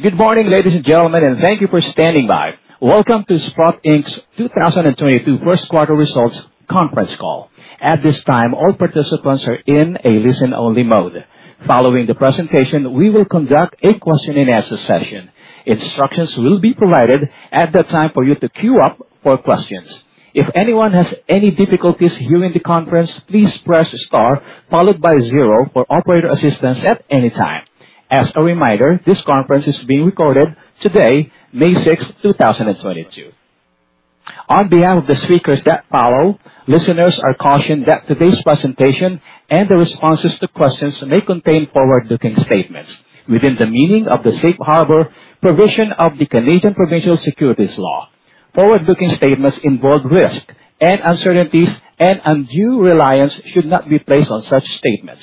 Good morning, ladies and gentlemen, and thank you for standing by. Welcome to Sprott Inc.'s 2022 first quarter results conference call. At this time, all participants are in a listen-only mode. Following the presentation, we will conduct a question-and-answer session. Instructions will be provided at that time for you to queue up for questions. If anyone has any difficulties during the conference, please press star followed by zero for operator assistance at any time. As a reminder, this conference is being recorded today, May 6, 2022. On behalf of the speakers that follow, listeners are cautioned that today's presentation and the responses to questions may contain forward-looking statements within the meaning of the safe harbor provision of the Canadian provincial securities law. Forward-looking statements involve risks and uncertainties and undue reliance should not be placed on such statements.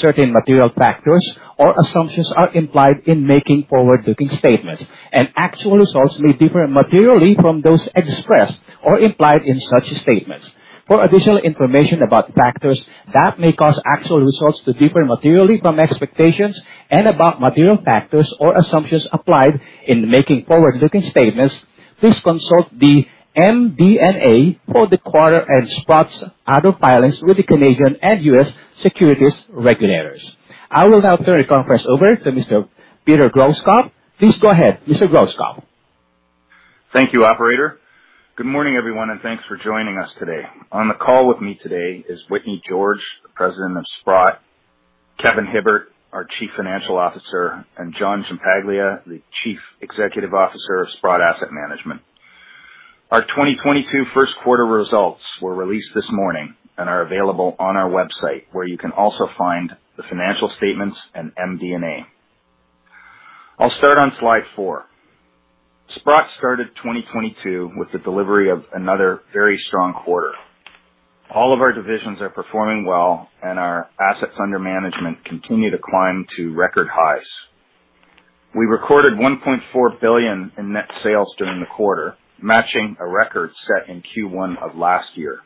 Certain material factors or assumptions are implied in making forward-looking statements, and actual results may differ materially from those expressed or implied in such statements. For additional information about factors that may cause actual results to differ materially from expectations and about material factors or assumptions applied in making forward-looking statements, please consult the MD&A for the quarter and Sprott's other filings with the Canadian and US securities regulators. I will now turn the conference over to Mr. Peter Grosskopf. Please go ahead, Mr. Grosskopf. Thank you, operator. Good morning, everyone, and thanks for joining us today. On the call with me today is Whitney George, the President of Sprott, Kevin Hibbert, our Chief Financial Officer, and John Ciampaglia, the Chief Executive Officer of Sprott Asset Management. Our 2022 first quarter results were released this morning and are available on our website, where you can also find the financial statements and MD&A. I'll start on slide four. Sprott started 2022 with the delivery of another very strong quarter. All of our divisions are performing well and our assets under management continue to climb to record highs. We recorded 1.4 billion in net sales during the quarter, matching a record set in Q1 of last year.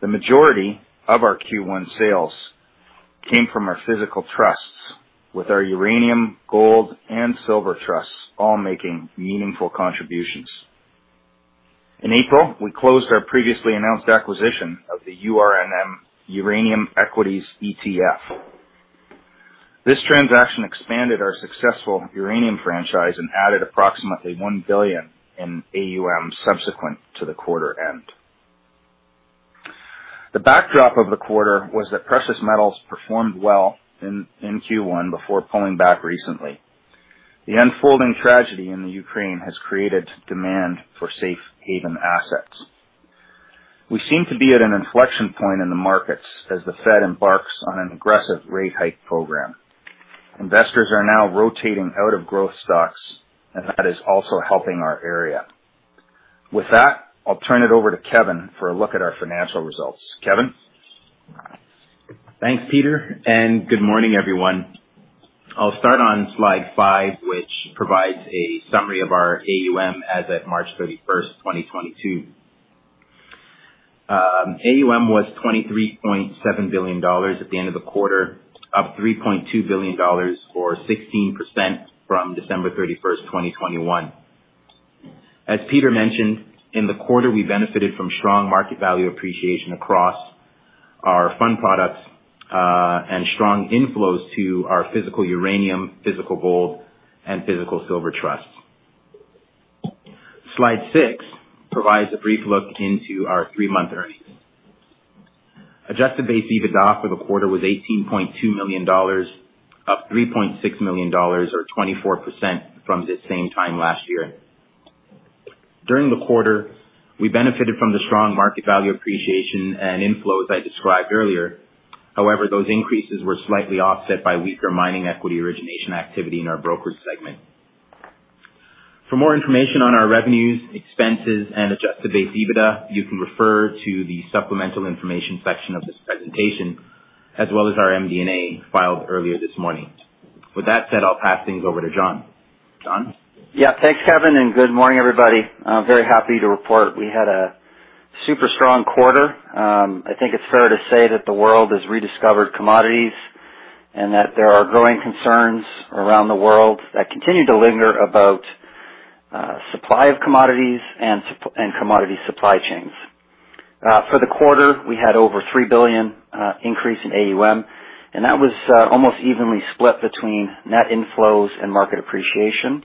The majority of our Q1 sales came from our physical trusts, with our uranium, gold and silver trusts all making meaningful contributions. In April, we closed our previously announced acquisition of the URNM, Sprott Uranium Miners ETF. This transaction expanded our successful uranium franchise and added approximately $1 billion in AUM subsequent to the quarter end. The backdrop of the quarter was that precious metals performed well in Q1 before pulling back recently. The unfolding tragedy in Ukraine has created demand for safe haven assets. We seem to be at an inflection point in the markets as the Fed embarks on an aggressive rate hike program. Investors are now rotating out of growth stocks, and that is also helping our area. With that, I'll turn it over to Kevin for a look at our financial results. Kevin? Thanks, Peter, and good morning, everyone. I'll start on slide five, which provides a summary of our AUM as at March 31, 2022. AUM was $23.7 billion at the end of the quarter, up $3.2 billion or 16% from December 31, 2021. As Peter mentioned, in the quarter, we benefited from strong market value appreciation across our fund products, and strong inflows to our physical uranium, physical gold and physical silver trusts. Slide six provides a brief look into our three-month earnings. Adjusted base EBITDA for the quarter was $18.2 million, up $3.6 million or 24% from the same time last year. During the quarter, we benefited from the strong market value appreciation and inflows I described earlier. However, those increases were slightly offset by weaker mining equity origination activity in our brokerage segment. For more information on our revenues, expenses and adjusted base EBITDA, you can refer to the supplemental information section of this presentation as well as our MD&A filed earlier this morning. With that said, I'll pass things over to John. John? Thanks, Kevin, and good morning, everybody. I'm very happy to report we had a super strong quarter. I think it's fair to say that the world has rediscovered commodities and that there are growing concerns around the world that continue to linger about supply of commodities and commodity supply chains. For the quarter, we had over 3 billion increase in AUM, and that was almost evenly split between net inflows and market appreciation.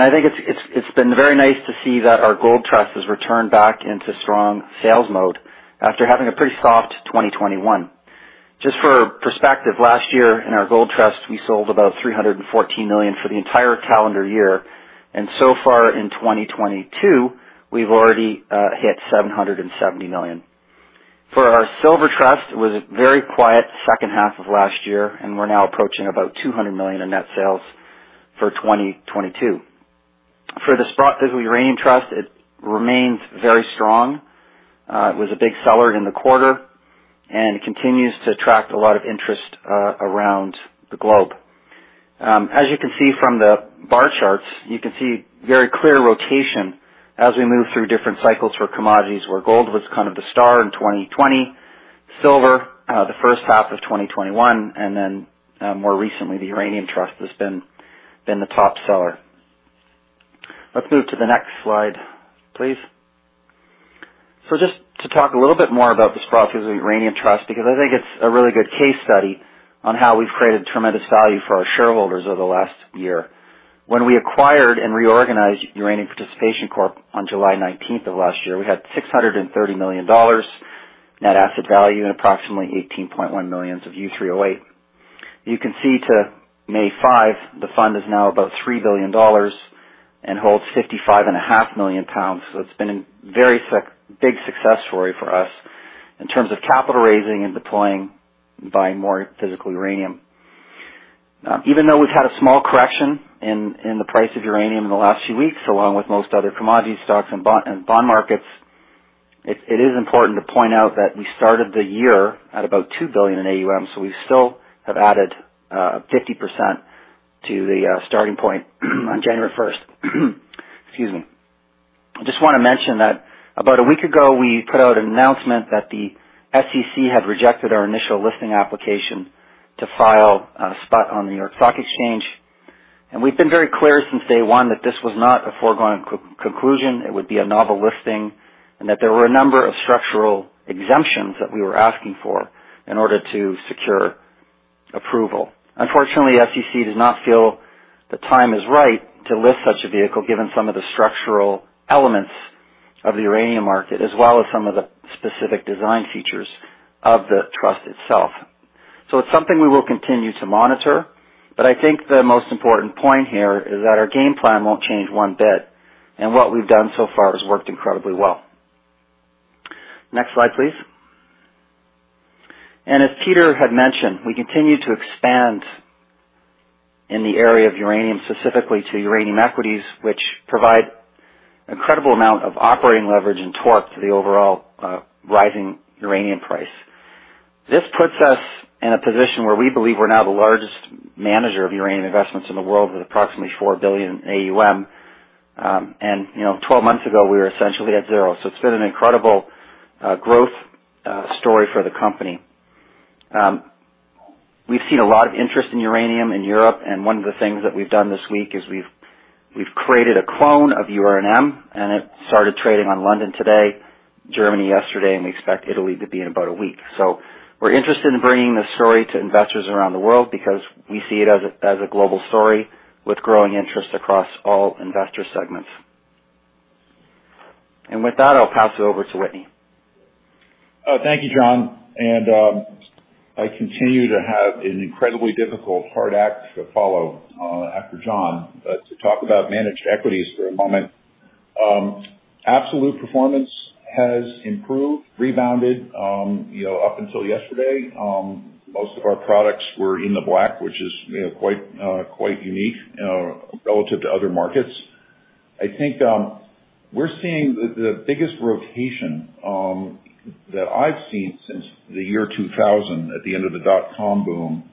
I think it's been very nice to see that our gold trust has returned back into strong sales mode after having a pretty soft 2021. Just for perspective, last year in our gold trust we sold about 314 million for the entire calendar year, and so far in 2022, we've already hit 770 million. For our silver trust, it was a very quiet second half of last year, and we're now approaching about 200 million in net sales for 2022. For the Sprott Physical Uranium Trust, it remains very strong. It was a big seller in the quarter and continues to attract a lot of interest around the globe. As you can see from the bar charts, you can see very clear rotation as we move through different cycles for commodities, where gold was kind of the star in 2020. Silver the first half of 2021, and then more recently, the Uranium Trust has been the top seller. Let's move to the next slide, please. Just to talk a little bit more about the Sprott Physical Uranium Trust, because I think it's a really good case study on how we've created tremendous value for our shareholders over the last year. When we acquired and reorganized Uranium Participation Corporation on July 19th of last year, we had CAD 630 million net asset value and approximately 18.1 million of U3O8. You can see, as of May 5, the fund is now about 3 billion dollars and holds 55.5 million lbs. It's been a very big success story for us in terms of capital raising and deploying and buying more physical uranium. Even though we've had a small correction in the price of uranium in the last few weeks, along with most other commodity stocks and bond markets, it is important to point out that we started the year at about 2 billion in AUM, so we still have added 50% to the starting point on January 1st. Excuse me. Just wanna mention that about a week ago, we put out an announcement that the SEC had rejected our initial listing application to list SPUT on the New York Stock Exchange. We've been very clear since day one that this was not a foregone conclusion, it would be a novel listing, and that there were a number of structural exemptions that we were asking for in order to secure approval. Unfortunately, SEC does not feel the time is right to list such a vehicle, given some of the structural elements of the uranium market, as well as some of the specific design features of the trust itself. It's something we will continue to monitor, but I think the most important point here is that our game plan won't change one bit, and what we've done so far has worked incredibly well. Next slide, please. As Peter had mentioned, we continue to expand in the area of uranium, specifically to uranium equities, which provide incredible amount of operating leverage and torque to the overall, rising uranium price. This puts us in a position where we believe we're now the largest manager of uranium investments in the world with approximately $4 billion AUM. You know, 12 months ago, we were essentially at zero. It's been an incredible growth story for the company. We've seen a lot of interest in uranium in Europe, and one of the things that we've done this week is we've created a clone of URNM, and it started trading on London today, Germany yesterday, and we expect Italy to be in about a week. We're interested in bringing this story to investors around the world because we see it as a global story with growing interest across all investor segments. With that, I'll pass it over to Whitney. Thank you, John. I continue to have an incredibly difficult, hard act to follow after John, but to talk about managed equities for a moment. Absolute performance has improved, rebounded, you know, up until yesterday. Most of our products were in the black, which is, you know, quite unique relative to other markets. I think, we're seeing the biggest rotation that I've seen since the year 2000 at the end of the dot-com boom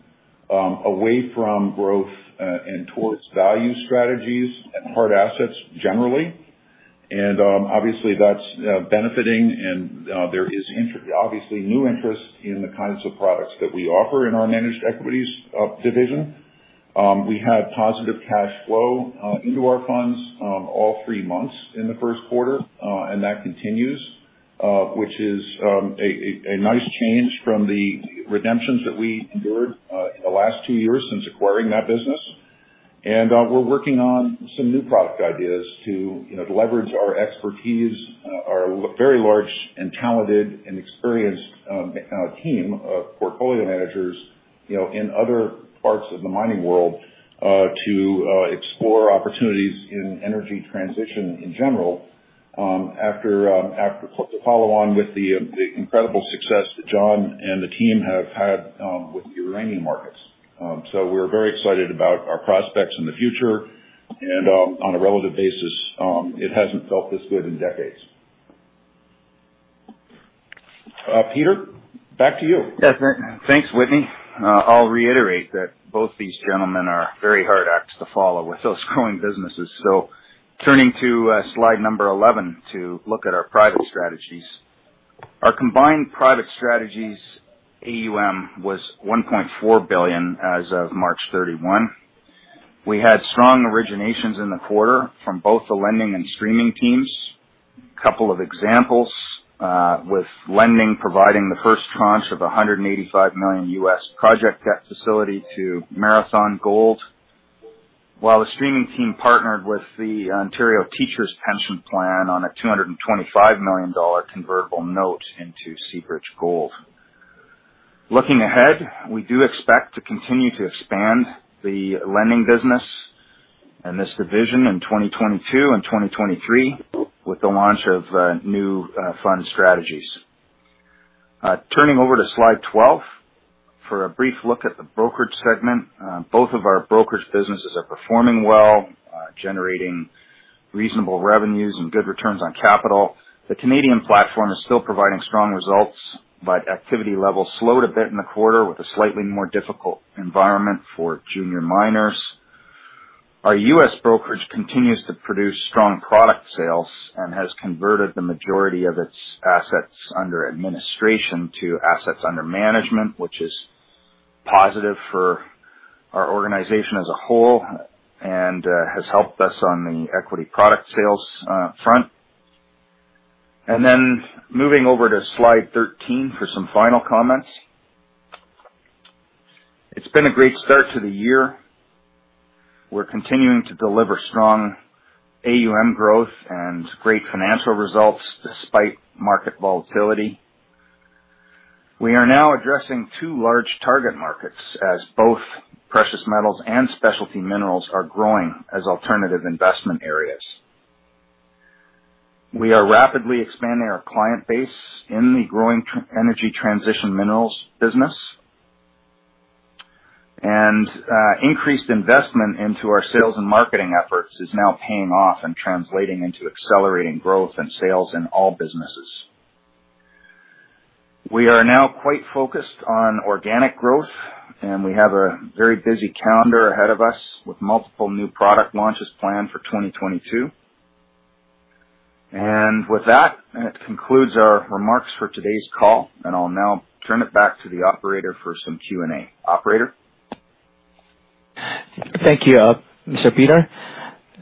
away from growth and towards value strategies and hard assets generally. Obviously, that's benefiting and there is obviously new interest in the kinds of products that we offer in our managed equities division. We had positive cash flow into our funds all three months in the first quarter, and that continues, which is a nice change from the redemptions that we endured in the last two years since acquiring that business. We're working on some new product ideas to, you know, to leverage our expertise, our very large and talented and experienced team of portfolio managers, you know, in other parts of the mining world, to explore opportunities in energy transition in general, after following on with the incredible success that John and the team have had with the uranium markets. We're very excited about our prospects in the future, and on a relative basis, it hasn't felt this good in decades. Peter, back to you. Yes. Thanks, Whitney. I'll reiterate that both these gentlemen are very hard acts to follow with those growing businesses. Turning to slide 11 to look at our private strategies. Our combined private strategies AUM was 1.4 billion as of March 31. We had strong originations in the quarter from both the lending and streaming teams. Couple of examples with lending providing the first tranche of $185 million credit facility to Marathon Gold, while the streaming team partnered with the Ontario Teachers' Pension Plan on a $225 million convertible note into Seabridge Gold. Looking ahead, we do expect to continue to expand the lending business and this division in 2022 and 2023 with the launch of new fund strategies. Turning over to slide 12 for a brief look at the brokerage segment. Both of our brokerage businesses are performing well, generating reasonable revenues and good returns on capital. The Canadian platform is still providing strong results, but activity levels slowed a bit in the quarter with a slightly more difficult environment for junior miners. Our US brokerage continues to produce strong product sales and has converted the majority of its assets under administration to assets under management, which is positive for our organization as a whole and has helped us on the equity product sales front. Moving over to slide 13 for some final comments. It's been a great start to the year. We're continuing to deliver strong AUM growth and great financial results despite market volatility. We are now addressing two large target markets as both precious metals and specialty minerals are growing as alternative investment areas. We are rapidly expanding our client base in the growing energy transition minerals business. Increased investment into our sales and marketing efforts is now paying off and translating into accelerating growth and sales in all businesses. We are now quite focused on organic growth, and we have a very busy calendar ahead of us with multiple new product launches planned for 2022. With that concludes our remarks for today's call, and I'll now turn it back to the operator for some Q&A. Operator? Thank you, Mr. Peter.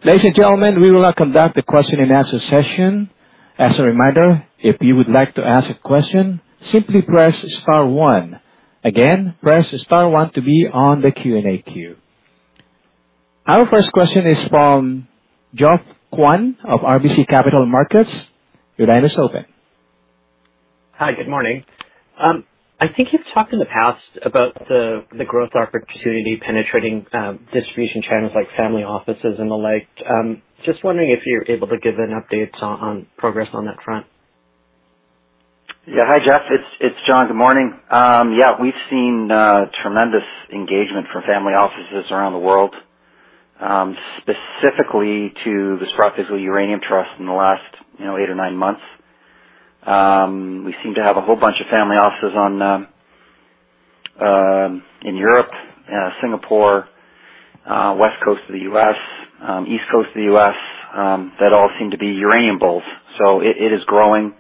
Ladies and gentlemen, we will now conduct the question-and-answer session. As a reminder, if you would like to ask a question, simply press star one. Again, press star one to be on the Q&A queue. Our first question is from Geoff Kwan of RBC Capital Markets. Your line is open. Hi, good morning. I think you've talked in the past about the growth opportunity penetrating distribution channels like family offices and the like. Just wondering if you're able to give an update on progress on that front. Yeah. Hi, Geoff. It's John. Good morning. Yeah, we've seen tremendous engagement from family offices around the world, specifically to the Sprott Physical Uranium Trust in the last, you know, eight or nine months. We seem to have a whole bunch of family offices in Europe, Singapore, West Coast of the U.S., East Coast of the U.S., that all seem to be uranium bulls. It is growing.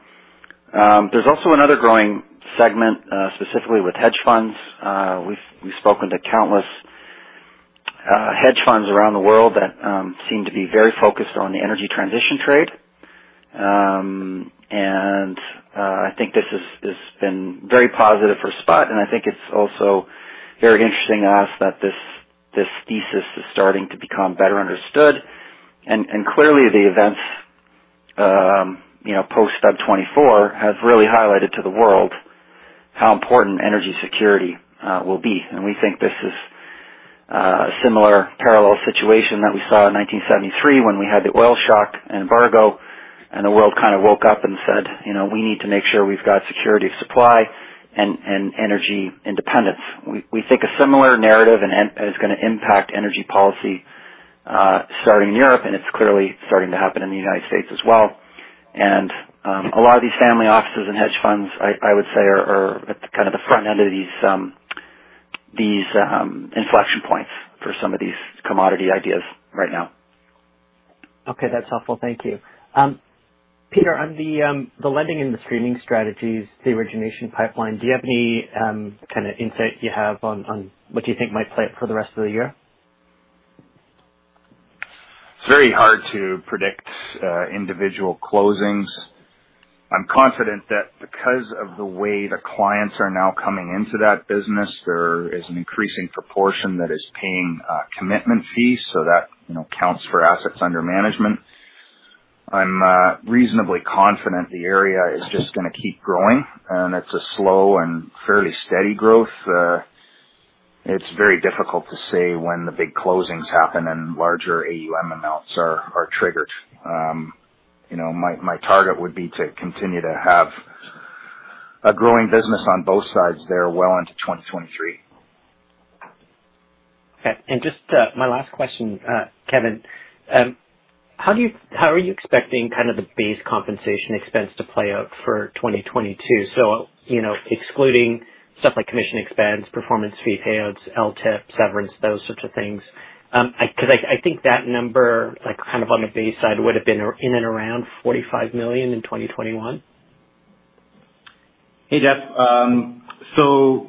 There's also another growing segment specifically with hedge funds. We've spoken to countless hedge funds around the world that seem to be very focused on the energy transition trade. I think this has been very positive for Sprott, and I think it's also very interesting to us that this thesis is starting to become better understood. Clearly the events, you know, post February 24 have really highlighted to the world how important energy security will be. We think this is a similar parallel situation that we saw in 1973 when we had the oil shock embargo and the world kind of woke up and said, you know, "We need to make sure we've got security of supply and energy independence." We think a similar narrative is gonna impact energy policy starting in Europe, and it's clearly starting to happen in the United States as well. A lot of these family offices and hedge funds I would say are at kind of the front end of these inflection points for some of these commodity ideas right now. Okay. That's helpful. Thank you. Peter, on the lending and the streaming strategies, the origination pipeline, do you have any kind of insight you have on what you think might play out for the rest of the year? It's very hard to predict individual closings. I'm confident that because of the way the clients are now coming into that business, there is an increasing proportion that is paying a commitment fee so that, you know, counts for assets under management. I'm reasonably confident the area is just gonna keep growing, and it's a slow and fairly steady growth. It's very difficult to say when the big closings happen and larger AUM amounts are triggered. You know, my target would be to continue to have a growing business on both sides there well into 2023. Okay. Just my last question, Kevin, how are you expecting kind of the base compensation expense to play out for 2022? You know, excluding stuff like commission expense, performance fee payouts, LTIP, severance, those sorts of things. 'Cause I think that number, like, kind of on the base side would have been in and around 45 million in 2021. Hey, Geoff.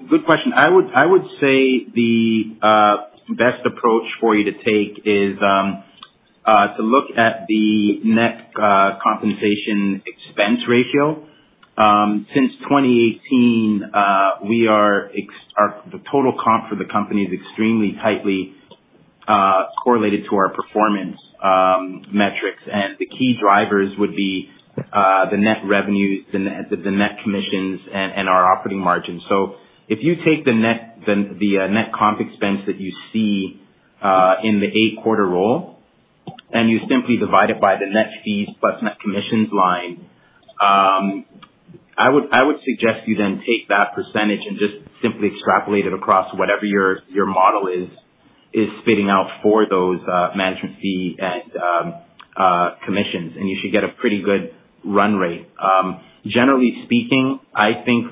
Good question. I would say the best approach for you to take is to look at the net compensation expense ratio. Since 2018, the total comp for the company is extremely tightly correlated to our performance metrics. The key drivers would be the net revenues, the net commissions and our operating margins. If you take the net comp expense that you see in the eight-quarter roll, and you simply divide it by the net fees plus net commissions line, I would suggest you then take that percentage and just simply extrapolate it across whatever your model is spitting out for those management fee and commissions, and you should get a pretty good run rate. Generally speaking, I think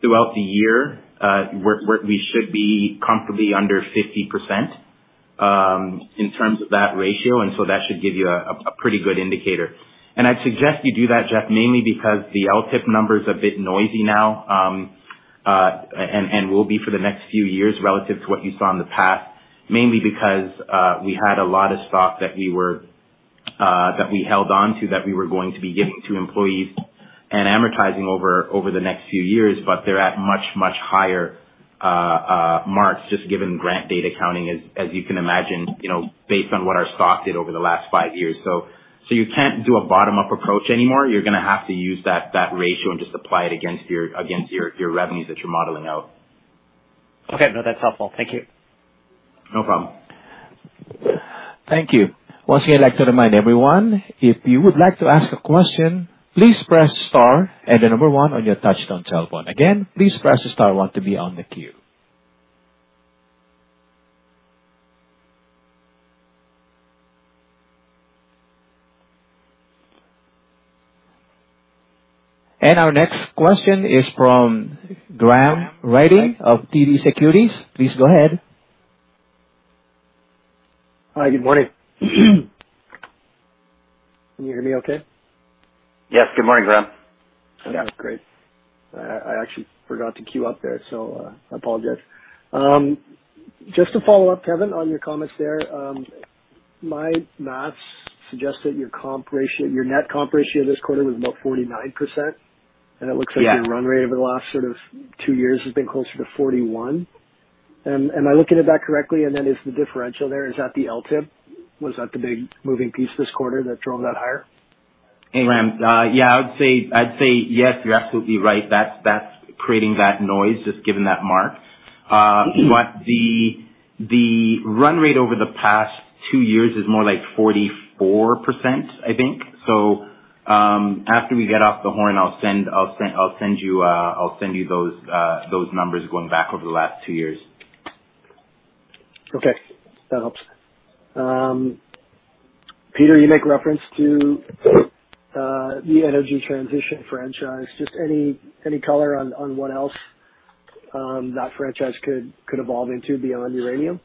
throughout the year we should be comfortably under 50% in terms of that ratio, and that should give you a pretty good indicator. I'd suggest you do that, Geoff, mainly because the LTIP number is a bit noisy now, and will be for the next few years relative to what you saw in the past, mainly because we had a lot of stock that we were going to be giving to employees and amortizing over the next few years, but they're at much higher marks just given grant date accounting as you can imagine, you know, based on what our stock did over the last five years. So you can't do a bottom-up approach anymore. You're gonna have to use that ratio and just apply it against your revenues that you're modeling out. Okay. No, that's helpful. Thank you. No problem. Thank you. Once again, I'd like to remind everyone, if you would like to ask a question, please press star and the number one on your touchtone telephone. Again, please press star one to be on the queue. Our next question is from Graham Ryding of TD Securities. Please go ahead. Hi, good morning. Can you hear me okay? Yes. Good morning, Graham. Yeah. Great. I actually forgot to queue up there, so I apologize. Just to follow up, Kevin, on your comments there, my math suggest that your comp ratio, your net comp ratio this quarter was about 49%. Yeah. It looks like your run rate over the last sort of two years has been closer to 41. Am I looking at that correctly? Is the differential there, is that the LTIP? Was that the big moving piece this quarter that drove that higher? Hey, Graham. Yeah. I would say, I'd say yes, you're absolutely right. That's creating that noise, just given that mark. The run rate over the past two years is more like 44%, I think. After we get off the horn, I'll send you those numbers going back over the last two years. Okay. That helps. Peter, you make reference to the energy transition franchise. Just any color on what else that franchise could evolve into beyond uranium?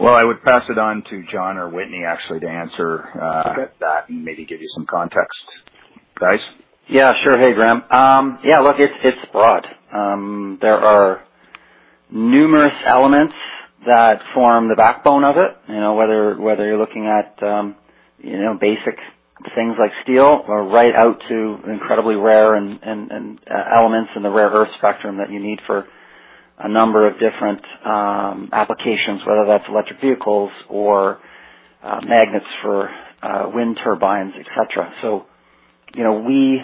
Well, I would pass it on to John or Whitney actually to answer. Okay. that and maybe give you some context, guys? Yeah, sure. Hey, Graham. Yeah, look, it's broad. There are numerous elements that form the backbone of it, you know, whether you're looking at, you know, basic things like steel or right out to incredibly rare and elements in the rare earth spectrum that you need for a number of different applications, whether that's electric vehicles or magnets for wind turbines, etc. You know, we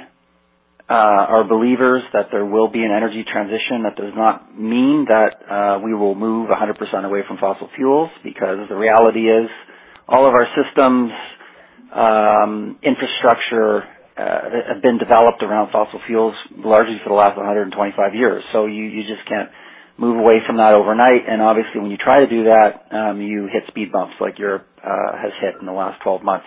are believers that there will be an energy transition. That does not mean that we will move 100% away from fossil fuels because the reality is all of our systems, infrastructure, have been developed around fossil fuels largely for the last 125 years. You just can't move away from that overnight, and obviously when you try to do that, you hit speed bumps like Europe has hit in the last 12 months.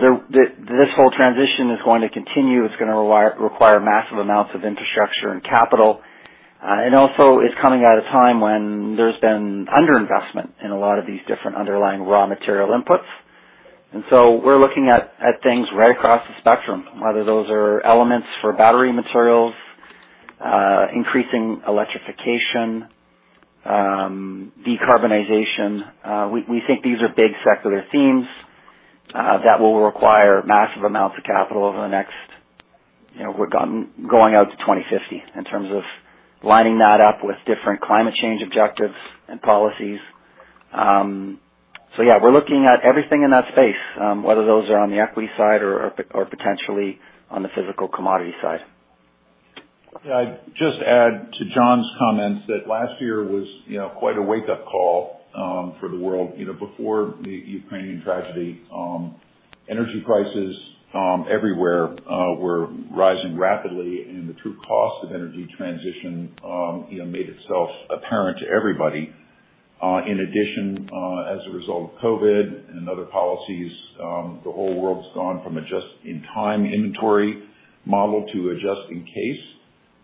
This whole transition is going to continue. It's gonna require massive amounts of infrastructure and capital. Also it's coming at a time when there's been underinvestment in a lot of these different underlying raw material inputs. We're looking at things right across the spectrum, whether those are elements for battery materials, increasing electrification, decarbonization. We think these are big secular themes that will require massive amounts of capital over the next, you know, going out to 2050 in terms of lining that up with different climate change objectives and policies. Yeah, we're looking at everything in that space, whether those are on the equity side or potentially on the physical commodity side. Yeah. I'd just add to John's comments that last year was, you know, quite a wake-up call for the world. You know, before the Ukrainian tragedy, energy prices everywhere were rising rapidly and the true cost of energy transition, you know, made itself apparent to everybody. In addition, as a result of COVID and other policies, the whole world's gone from a just-in-time inventory model to a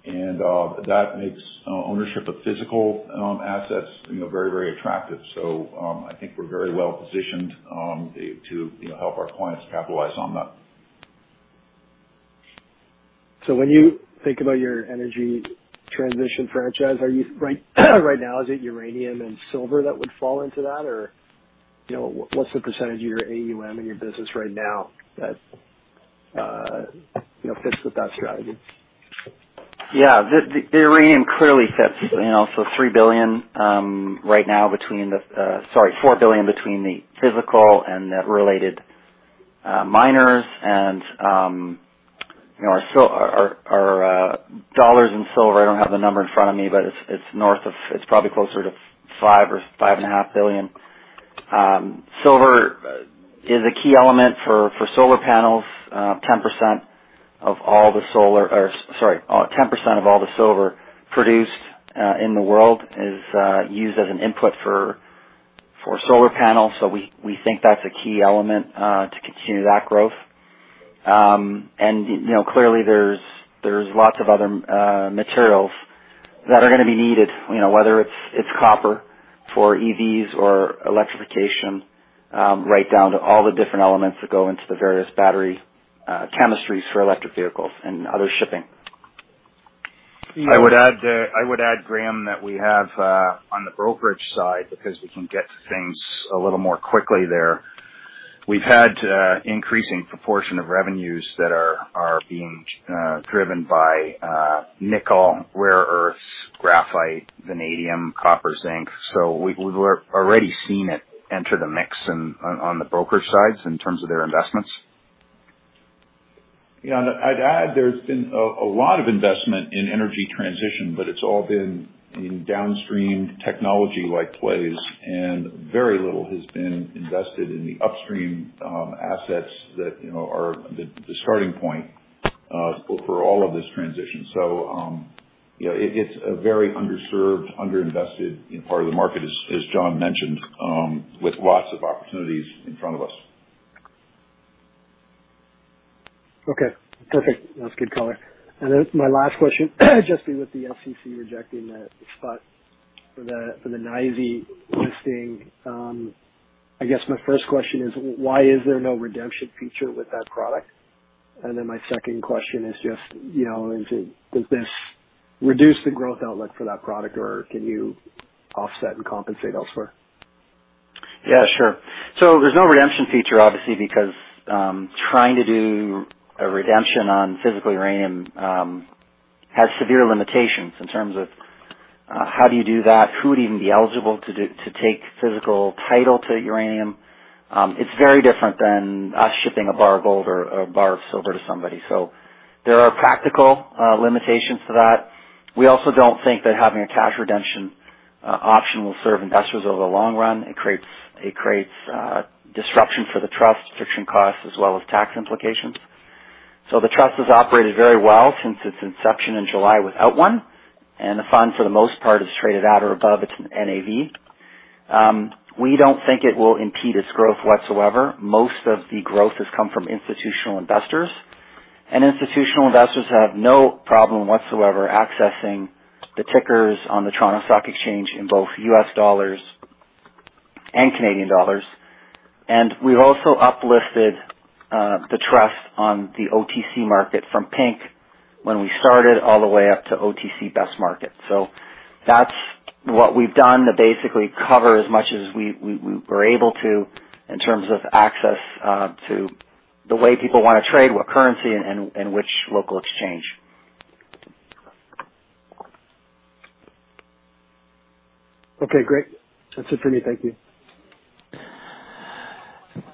just-in-case. That makes ownership of physical assets, you know, very, very attractive. I think we're very well positioned to, you know, help our clients capitalize on that. When you think about your energy transition franchise, are you right now, is it uranium and silver that would fall into that? Or, you know, what's the percentage of your AUM in your business right now that, you know, fits with that strategy? Yeah. The uranium clearly fits. You know, $4 billion right now between the physical and the related miners and, you know, our dollars in silver. I don't have the number in front of me, but it's north of. It's probably closer to $5 billion or $5.5 billion. Silver is a key element for solar panels. 10% of all the silver produced in the world is used as an input for solar panels. We think that's a key element to continue that growth. You know, clearly there's lots of other materials that are gonna be needed, you know, whether it's copper for EVs or electrification, right down to all the different elements that go into the various battery chemistries for electric vehicles and other shipping. I would add, Graham, that we have on the brokerage side, because we can get to things a little more quickly there, we've had increasing proportion of revenues that are being driven by nickel, rare earths, graphite, vanadium, copper, zinc. We've already seen it enter the mix on the brokerage sides in terms of their investments. Yeah. I'd add there's been a lot of investment in energy transition, but it's all been in downstream technology-like plays, and very little has been invested in the upstream assets that, you know, are the starting point for all of this transition. You know, it's a very underserved, underinvested part of the market, as John mentioned, with lots of opportunities in front of us. Okay. Perfect. That's good color. My last question, just with the SEC rejecting the SPUT for the NYSE listing. I guess my first question is, why is there no redemption feature with that product? My second question is just, you know, is it? Does this reduce the growth outlook for that product, or can you offset and compensate elsewhere? Yeah, sure. There's no redemption feature obviously because trying to do a redemption on physical uranium has severe limitations in terms of how do you do that? Who would even be eligible to take physical title to uranium? It's very different than us shipping a bar of gold or a bar of silver to somebody. There are practical limitations to that. We also don't think that having a cash redemption option will serve investors over the long run. It creates disruption for the trust, friction costs as well as tax implications. The trust has operated very well since its inception in July without one, and the fund, for the most part, has traded at or above its NAV. We don't think it will impede its growth whatsoever. Most of the growth has come from institutional investors. Institutional investors have no problem whatsoever accessing the tickers on the Toronto Stock Exchange in both US dollars and Canadian dollars. We've also uplisted the trust on the OTC market from pink when we started all the way up to OTC best market. That's what we've done to basically cover as much as we were able to in terms of access to the way people wanna trade, what currency and which local exchange. Okay, great. That's it for me. Thank you.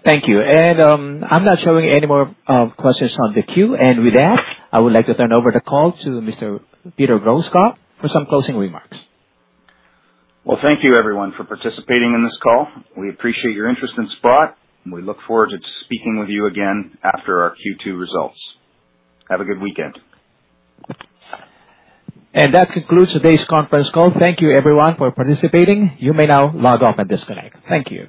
Thank you. I'm not showing any more questions on the queue. With that, I would like to turn over the call to Mr. Peter Grosskopf for some closing remarks. Well, thank you everyone for participating in this call. We appreciate your interest in Sprott, and we look forward to speaking with you again after our Q2 results. Have a good weekend. That concludes today's conference call. Thank you everyone for participating. You may now log off and disconnect. Thank you.